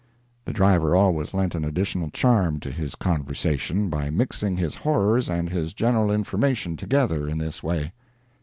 The driver always lent an additional charm to his conversation by mixing his horrors and his general information together in this way.